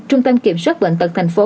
trung tâm kiểm soát bệnh tật thành phố